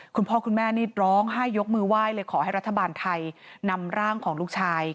คุณพ่อคุณแม่นี่ร้องไห้ยกมือไหว้เลยขอให้รัฐบาลไทยนำร่างของลูกชาย